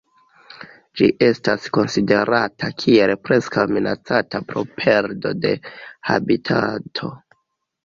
Ĝi estas konsiderata kiel Preskaŭ Minacata pro perdo de habitato.